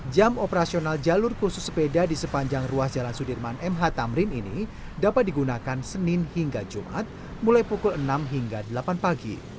jam operasional jalur khusus sepeda di sepanjang ruas jalan sudirman mh tamrin ini dapat digunakan senin hingga jumat mulai pukul enam hingga delapan pagi